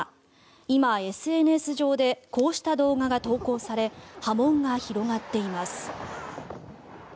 今、ＳＮＳ上でこうした動画が投稿され波紋が広がっています。